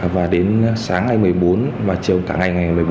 và đến sáng ngày một mươi bốn và chiều cả ngày ngày một mươi bốn